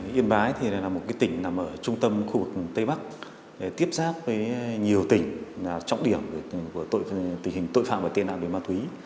yên bái là một tỉnh nằm ở trung tâm khu vực tây bắc tiếp giáp với nhiều tỉnh trọng điểm của tình hình tội phạm và tiền nạn về ma túy